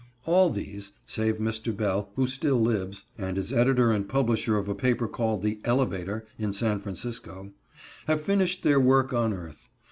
All these (save Mr. Bell, who still lives, and is editor and publisher of a paper called the "Elevator," in San Francisco) have finished their work on earth.